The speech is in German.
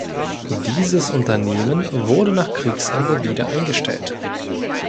Dieses Unternehmen wurde nach Kriegsende wieder eingestellt.